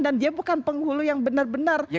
dan dia bukan penghulu yang benar benar